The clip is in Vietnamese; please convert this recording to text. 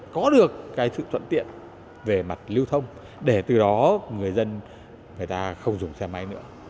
có được cái sự thuận tiện về mặt lưu thông để từ đó người dân người ta không dùng xe máy nữa